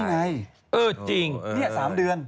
นี่แหละ๓เดือน